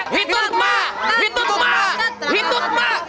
hitut mak hitut mak